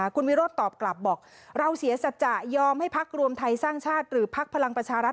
คุณวิโรธตอบกลับบอกเราเสียสัจจะยอมให้พักรวมไทยสร้างชาติหรือพักพลังประชารัฐ